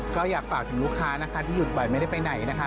ก็อยากฝากถึงลูกค้านะคะที่หยุดบ่อยไม่ได้ไปไหนนะคะ